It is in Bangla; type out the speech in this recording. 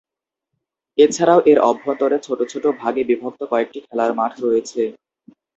এছাড়াও এর অভ্যন্তরে ছোট ছোট ভাগে বিভক্ত কয়েকটি খেলার মাঠ রয়েছে।